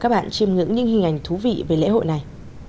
hãy xem những hình ảnh thú vị về lễ hội này